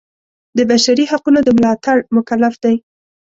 د بشري حقونو د ملاتړ مکلف دی.